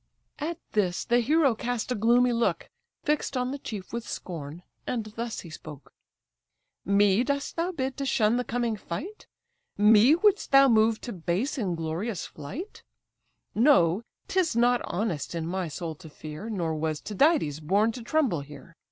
At this the hero cast a gloomy look, Fix'd on the chief with scorn; and thus he spoke: "Me dost thou bid to shun the coming fight? Me wouldst thou move to base, inglorious flight? Know, 'tis not honest in my soul to fear, Nor was Tydides born to tremble here.